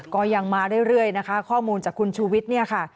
ก็ยังมาเรื่อยข้อมูลจากคุณชูวิทย์